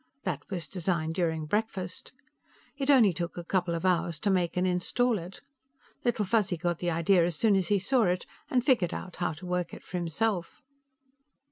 That was designed during breakfast. It only took a couple of hours to make and install it; Little Fuzzy got the idea as soon as he saw it, and figured out how to work it for himself.